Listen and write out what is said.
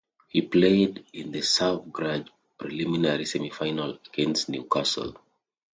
He played in the reserve grade Preliminary Semi-Final against Newcastle.